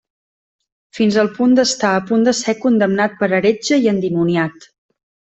Fins al punt d'estar a punt de ser condemnat per heretge i endimoniat.